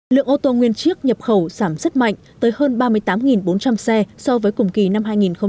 lượng ô tô nguyên chiếc nhập khẩu giảm rất mạnh tới hơn ba mươi tám bốn trăm linh xe so với cùng kỳ năm hai nghìn một mươi chín